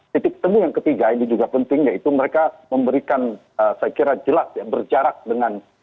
titik temu yang ketiga ini juga penting yaitu mereka memberikan saya kira jelas ya berjarak dengan